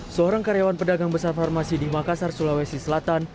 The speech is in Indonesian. seorang karyawan pedagang besar farmasi di makassar sulawesi selatan